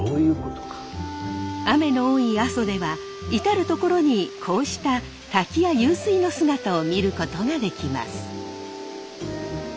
雨の多い阿蘇では至る所にこうした滝や湧水の姿を見ることができます。